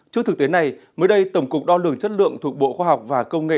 trước thực tế này mới đây tổng cục đo lường chất lượng thuộc bộ khoa học và công nghệ